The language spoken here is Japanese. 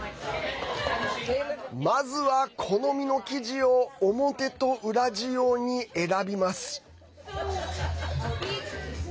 まずは、好みの生地を表と裏地用に選びます。